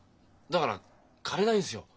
だから金ないんですよ。